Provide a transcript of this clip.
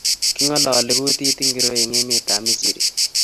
Kingololi kutit ngiro eng emetab misri?